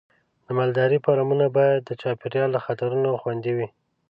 د مالدارۍ فارمونه باید د چاپېریال له خطرونو خوندي وي.